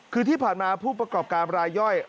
คือที่ผ่านมาผู้ประกอบการรายย่อย